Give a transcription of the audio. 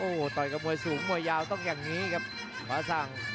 โอ้โหต่อยกับมวยสูงมวยยาวต้องอย่างนี้ครับฟ้าสั่ง